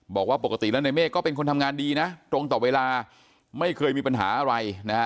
บอกว่าปกติแล้วในเมฆก็เป็นคนทำงานดีนะตรงต่อเวลาไม่เคยมีปัญหาอะไรนะฮะ